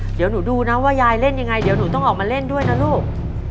เดี๋ยวหนูดูนะว่ายายเล่นยังไงเดี๋ยวหนูต้องออกมาเล่นด้วยนะลูก